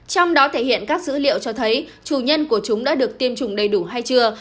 trong đó thể hiện các dữ liệu cho thấy chủ nhân của chúng đã được tiêm chủng đầy đủ hay chưa